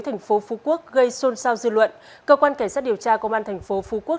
thành phố phú quốc gây xôn xao dư luận cơ quan cảnh sát điều tra công an thành phố phú quốc